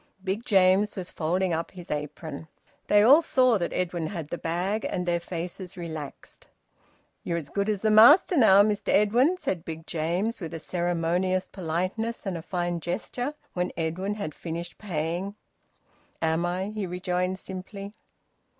Big James was folding up his apron. They all saw that Edwin had the bag, and their faces relaxed. "You're as good as the master now, Mr Edwin," said Big James with ceremonious politeness and a fine gesture, when Edwin had finished paying. "Am I?" he rejoined simply.